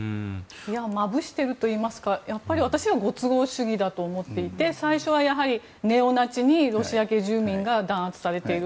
まぶしているといいますかやっぱり私はご都合主義だと思っていて最初はネオナチにロシア系住民が弾圧されている。